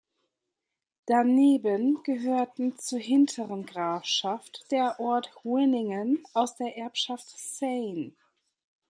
Daneben gehörten zur Hinteren Grafschaft der Ort Winningen aus der Erbschaft Sayn.